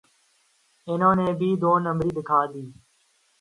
انہوں نے بھی دو نمبری دکھا دی۔